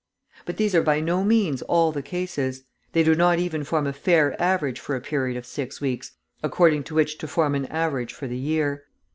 But these are by no means all the cases; they do not even form a fair average for a period of six weeks, according to which to form an average for the year.